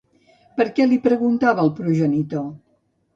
Per què li preguntava el progenitor?